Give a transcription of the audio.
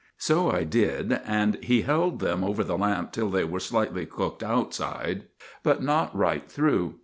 So I did, and he held them over the lamp till they were slightly cooked outside, but not right through.